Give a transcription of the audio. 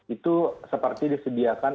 itu seperti disediakan